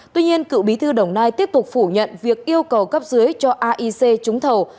tuy nhiên cựu bí thư đồng nai tiếp tục phủ nhận việc yêu cầu cấp dưới cho aic trúng thầu